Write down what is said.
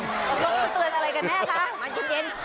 เตือนอะไรกันแม่คะมาเย็น